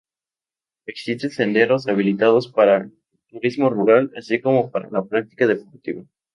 Existen senderos habilitados para turismo rural, así como para la práctica deportiva.